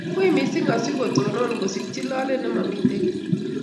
Wiy mising asigotonon kosigchi lole nimamiten giy